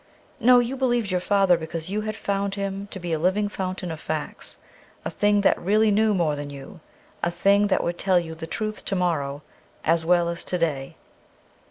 No, you be lieved your father because you had found him to be a living fountain of facts, a thing that really knew more than you ; a thing that would tell you the truth to morrow, as well as to day.